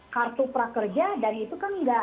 kartu prakerja dan itu kan nggak